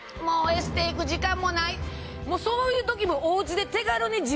そういう時も。